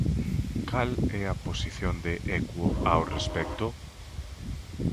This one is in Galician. Cal é a posición de Equo ao respecto?